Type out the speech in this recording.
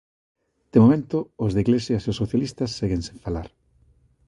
De momento, os de Iglesias e os socialistas seguen sen falar.